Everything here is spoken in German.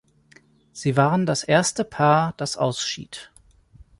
Sie waren das erste Paar, das ausschied.